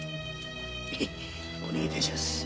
お願いいたしやす。